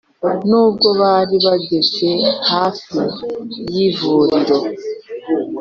n’ubwo bari bageze hafi y’ivuriro